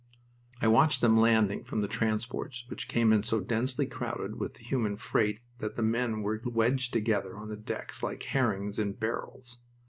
I watched them landing from the transports which came in so densely crowded with the human freight that the men were wedged together on the decks like herrings in barrels.